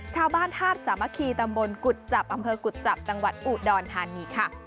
ชาวบ้านธาตุสามัคคีตำบลกุจจับอำเภอกุจจับตอุดรธานีค่ะ